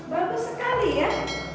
bagus sekali ya